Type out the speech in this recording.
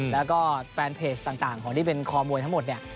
แล้วก็แฟนเพจต่างของที่เป็นคอมวยทั้งหมดเนี่ย